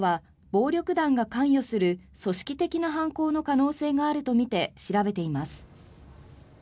警視庁は暴力団が関与する組織的な犯行の可能性があるとみて、調べています。